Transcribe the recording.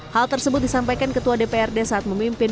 hal tersebut disampaikan ketua dprd saat memimpin